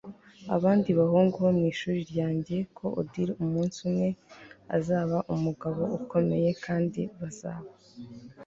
abandi bahungu bo mwishuri ryanjye ko odili umunsi umwe azaba umugabo ukomeye kandi bazaba